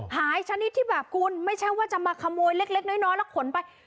ชนิดที่แบบคุณไม่ใช่ว่าจะมาขโมยเล็กน้อยแล้วขนไป